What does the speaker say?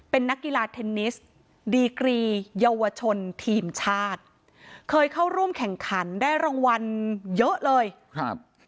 เป็นนักกีฬาเทนนิสดีกรีเยาวชนทีมชาติเคยเข้าร่วมแข่งขันได้รางวัลเยอะเลยครับ